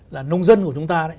là nông dân của chúng ta đấy